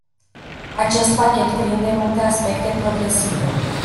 Acest pachet cuprinde multe aspecte progresive.